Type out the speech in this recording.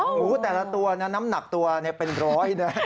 หมูแต่ละตัวเนี่ยน้ำหนักตัวเนี่ยเป็นร้อยเนี่ย